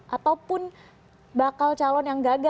ataupun bakal calon yang gagal